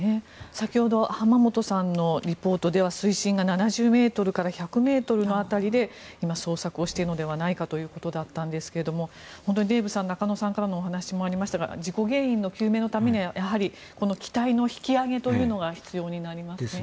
先ほど、濱元さんのリポートでは水深が７０ｍから１００ｍの辺りで今、捜索をしているのではないかということでしたが本当にデーブさん中野さんからの話もありましたが事故原因の究明のためにはやはりこの機体の引き揚げというのが必要になりますね。